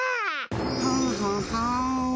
はんはんはん。